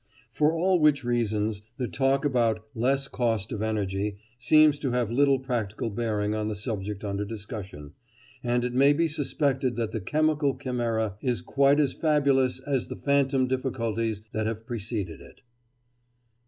For all which reasons the talk about "less cost of energy" seems to have little practical bearing on the subject under discussion, and it may be suspected that the chemical chimera is quite as fabulous as the phantom difficulties that have preceded it.